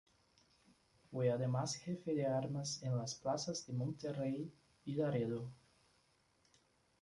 Fue además Jefe de armas en las plazas de Monterrey y Laredo.